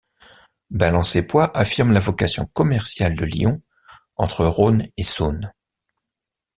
Balances et poids affirment la vocation commerciale de Lyon entre Rhône et Saône.